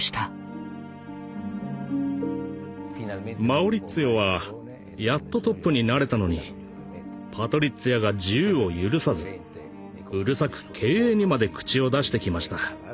マウリッツィオはやっとトップになれたのにパトリッツィアが自由を許さずうるさく経営にまで口を出してきました。